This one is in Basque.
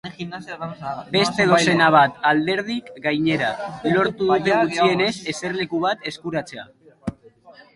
Beste dozena bat alderdik, gainera, lortu dute gutxienez eserleku bat eskuratzea.